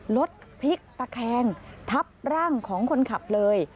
รถพลิกตะแคงทับร่างของคนขับเลย